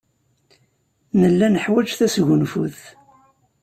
Nella neḥwaj tasgunfut.